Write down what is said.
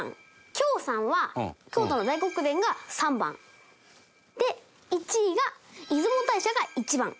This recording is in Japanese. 京三は京都の大極殿が３番。で１位が出雲大社が１番。